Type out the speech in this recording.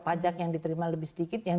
pajak yang diterima lebih sedikit yang